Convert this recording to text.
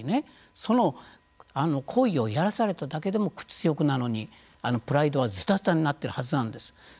その行為をやらされただけでも屈辱なのにプライドはずたずたになっているはずなんです。